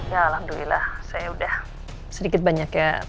ya alhamdulillah saya udah sedikit banyak ya